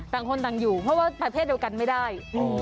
ต่างคนต่างอยู่เพราะว่าประเทศเดียวกันไม่ได้